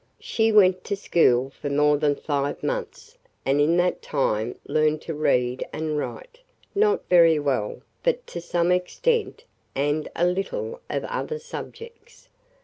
She went to school for more than five months and in that time learned to read and write – not very well, but to some extent – and a little of other subjects.